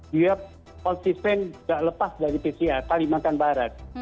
dia konsisten tidak lepas dari pcr kalimantan barat